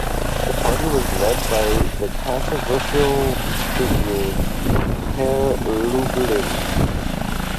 The party was led by the controversial figure Per Lublin.